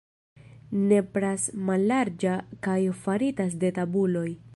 Nepras mallarĝa kajo farita de tabuloj.